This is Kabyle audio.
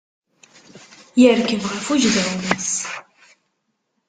Yerkeb ɣef ujedɛun-is.